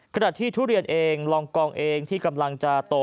ขณะที่ทุเรียนเองลองกองเองที่กำลังจะโต